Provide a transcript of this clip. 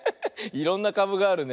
いろんなかぶがあるね。